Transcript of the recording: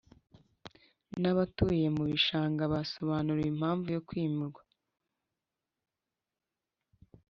Nabatuye mu bishanga basobanuriwe impamvu yokwimurwa